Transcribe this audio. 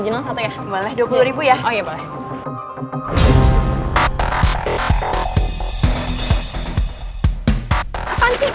ih apaan sih